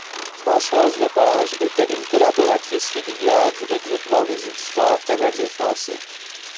Françoise Lepage était une collaboratrice régulière du Regroupement des Éditeurs canadiens-français.